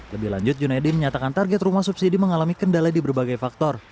lebih lanjut junaidi menyatakan target rumah subsidi mengalami kendala di berbagai faktor